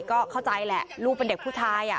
ก็เข้าใจแหละลูกเป็นเด็กผู้ชาย